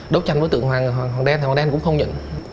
đấu tranh với tượng hoàng đen thì hoàng đen cũng không nhận